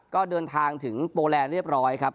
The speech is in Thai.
ก็เดินทางถึงโปรแลนด์เรียบร้อยครับ